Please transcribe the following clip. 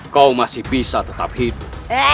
kau masih bisa tetap hidup